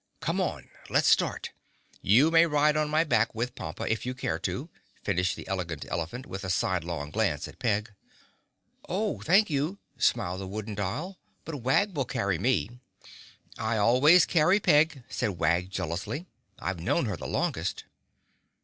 "Come on—let's start. You may ride on my back with Pompa if you care to," finished the Elegant Elephant with a sidelong glance at Peg. "Oh, thank you," smiled the Wooden Doll, "but Wag will carry me." "I always carry Peg," said Wag jealously. "I've known her the longest."